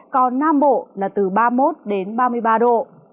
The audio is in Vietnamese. còn nam bộ là từ ba mươi một đến ba mươi ba độ